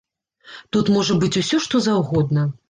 Тут можа быць усё, што заўгодна.